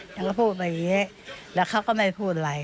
ฉันก็พูดมาอย่างนี้แล้วเขาก็ไม่พูดอะไร